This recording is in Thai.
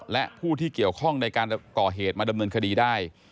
และผู้ที่เกี่ยวข้องในการก่อเหตุมาดำเนินคดีได้